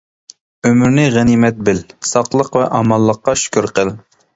ئۆمۈرنى غەنىيمەت بىل، ساقلىق ۋە ئامانلىققا شۈكۈر قىل.